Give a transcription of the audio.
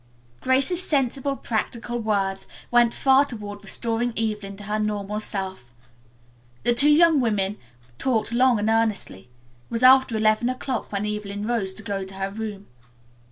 Grace's sensible, practical, words, went far toward restoring Evelyn to her normal self. The two young women talked long and earnestly. It was after eleven o'clock when Evelyn rose to go to her room.